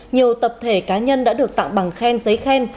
nhiều tập thể cá nhân đã được tặng bằng khen giấy khen